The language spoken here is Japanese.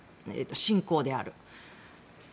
侵攻である。